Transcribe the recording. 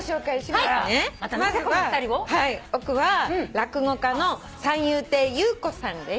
まずは奥は落語家の三遊亭遊子さんです。